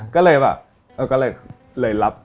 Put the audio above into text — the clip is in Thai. ก็เลยแบบ